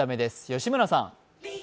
吉村さん。